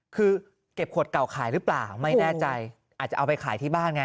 คือเก็บขวดเก่าขายหรือเปล่าไม่แน่ใจอาจจะเอาไปขายที่บ้านไง